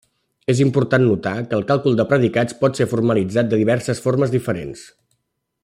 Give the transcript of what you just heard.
És important notar que el càlcul de predicats pot ser formalitzat de diverses formes diferents.